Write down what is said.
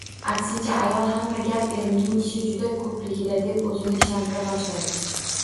Aksincha, ayol hamma gap erimning ishi juda ko‘pligida, deb o‘zini ishontira boshlaydi.